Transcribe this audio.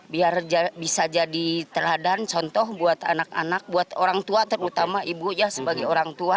biar bisa jadi teladan contoh buat anak anak buat orang tua terutama ibu ya sebagai orang tua